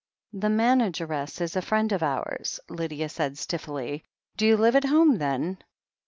"The manageress is a friend of ours," Lydia said stiffly. "Do you live at home, then?"